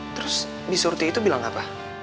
terus bisurti itu bilang apa